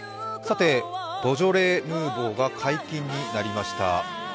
ボージョレ・ヌーボーが解禁になりました。